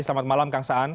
selamat malam kang saan